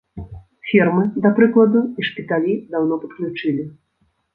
Фермы, да прыкладу, і шпіталі даўно падключылі.